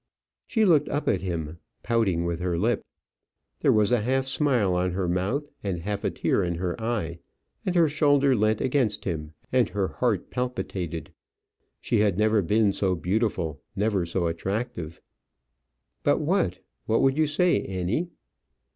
She looked up at him, pouting with her lip. There was a half smile on her mouth, and half a tear in her eyes; and her shoulder leant against him, and her heart palpitated. She had never been so beautiful, never so attractive. "But what ? What would you say, Annie?"